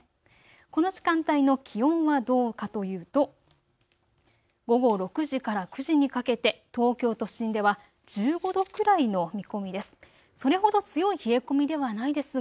この時間帯の気温はどうかというと午後６時から９時にかけて東京都心では１５度くらいの見込みです。